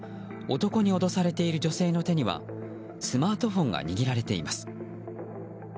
男に脅されている女性の手にはスマートフォンが握られています。